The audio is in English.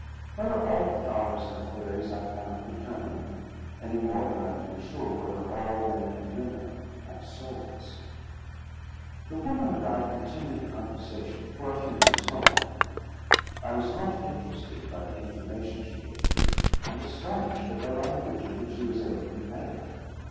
Whether all the flowers have fairies, I cannot determine, any more than I can be sure whether all men and women have souls. The woman and I continued the conversation for a few minutes longer. I was much interested by the information she gave me, and astonished at the language in which she was able to convey it.